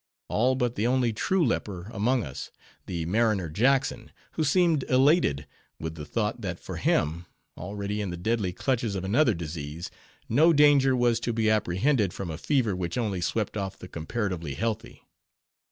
All but the only true leper among us—the mariner Jackson, who seemed elated with the thought, that for _him—_already in the deadly clutches of another disease—no danger was to be apprehended from a fever which only swept off the comparatively healthy.